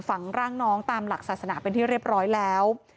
ฝังร่างน้องตามหลักศาสนาเป็นที่เรียบร้อยแล้ว